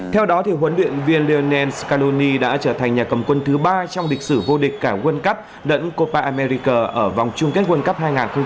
theo đó thì huấn luyện viên lionel scaloni đã trở thành nhà cầm quân thứ ba trong lịch sử vô địch cả world cup đẫn copa america ở vòng chung kết world cup hai nghìn hai mươi hai